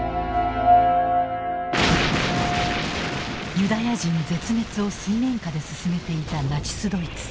ユダヤ人絶滅を水面下で進めていたナチスドイツ。